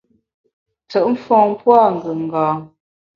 Ntùt mfon pua’ ngùnga.